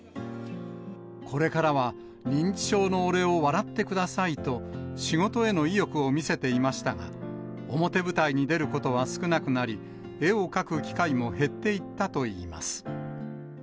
これからは認知症の俺を笑ってくださいと、仕事への意欲を見せていましたが、表舞台に出ることは少なくなり、絵を描く機会も減っていったといいます。